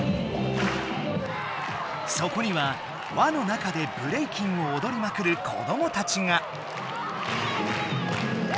そこにはわの中でブレイキンをおどりまくる子どもたちが！